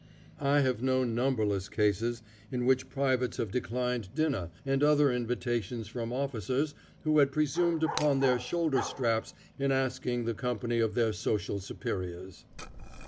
I have known numberless cases in which privates have declined dinner and other invitations from officers who had presumed upon their shoulder straps in asking the company of their social superiors.